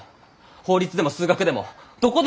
法律でも数学でもどこでも行きなよ！